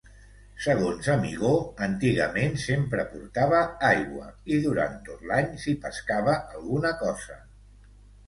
Segons Amigó, antigament sempre portava aigua i durant tot l'any s'hi pescava alguna cosa.